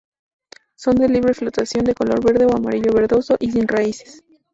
Son de libre flotación, de color verde o amarillo-verdoso, y sin raíces.